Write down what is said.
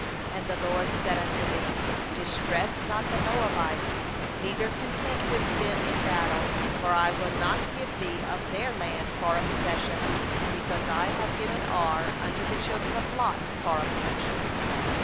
9And the LORD said unto me: 'Be not at enmity with Moab, neither contend with them in battle; for I will not give thee of his land for a possession; because I have given Ar unto the children of Lot for a possession.